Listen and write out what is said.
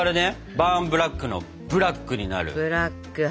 バーンブラックの「ブラック」になる部分ですね。